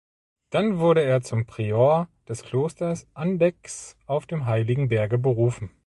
Dann wurde er zum Prior des Klosters Andechs auf dem Heiligen Berge berufen.